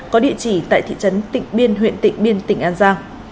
có địa chỉ tại thị trấn tịnh biên huyện tịnh biên tỉnh an giang